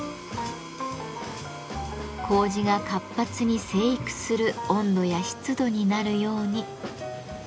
麹が活発に生育する温度や湿度になるように。